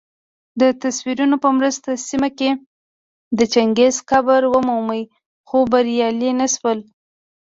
دتصویرونو په مرسته سیمه کي د چنګیز قبر ومومي خو بریالي نه سول